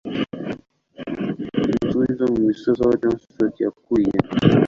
Inzuri zo mu misozi aho Johnswort yakuriye